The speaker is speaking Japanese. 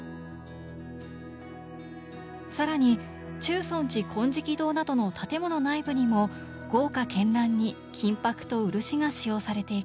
更に中尊寺金色堂などの建物内部にも豪華絢爛に金箔と漆が使用されていきます。